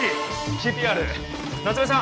ＣＰＲ夏梅さん